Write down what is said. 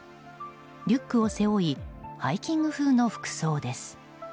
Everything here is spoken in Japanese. リュックを背負いハイキング風の服装です。